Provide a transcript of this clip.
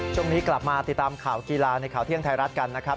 ช่วงนี้กลับมาติดตามข่าวกีฬาในข่าวเที่ยงไทยรัฐกันนะครับ